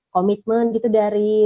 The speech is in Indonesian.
komitmen gitu dari